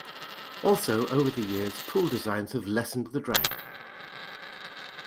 Also, over the years, pool designs have lessened the drag.